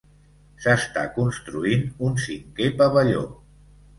S'està construint un cinquè pavelló.